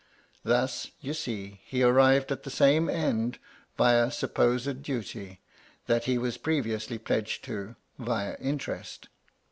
Thus, you see, he arrived at the same end, vi& supposed duty, that he was previously pledged to vifl. interest.